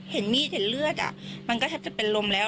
เห็นมีดเห็นเลือดมันก็แทบจะเป็นลมแล้ว